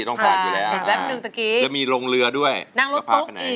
นั่งรถตุ๊กอีก